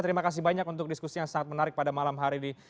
terima kasih banyak untuk diskusi yang sangat menarik pada malam hari ini